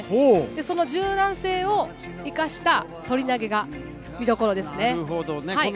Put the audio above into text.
その柔軟性を生かした反り投げが見どころですね。